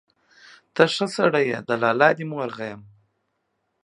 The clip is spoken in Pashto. ته ښه سړى يې، د لالا دي مور غيم.